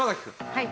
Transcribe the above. はい。